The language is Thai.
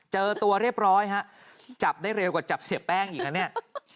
เจอตัวเรียบร้อยฮะจับได้เร็วกว่าจับเสียแป้งอีกนะเนี่ย